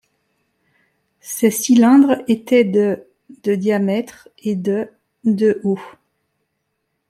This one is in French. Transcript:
Ces cylindres étaient de de diamètre et de de haut.